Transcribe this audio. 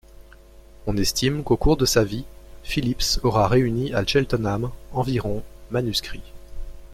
On estime qu'au cours de sa vie, Phillips aura réuni à Cheltenham environ manuscrits.